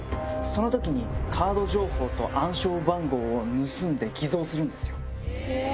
その時にカード情報と暗証番号を盗んで偽造するんですよ。